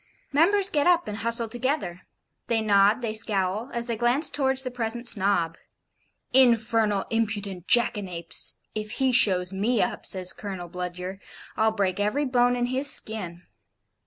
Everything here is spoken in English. Members get up and hustle together; they nod, they scowl, as they glance towards the present Snob. 'Infernal impudent jackanapes! If he shows me up,' says Colonel Bludyer, 'I'll break every bone in his skin.'